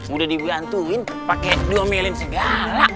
udah dibantuin pakai dua melin segala